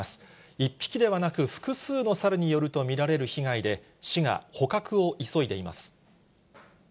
１匹ではなく、複数の猿によると見られる被害で、市が捕獲を急いでいます。